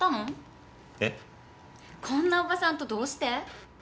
こんなおばさんとどうして？